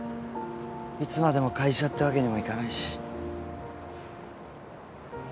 いつまでも会社ってわけにもいかないし。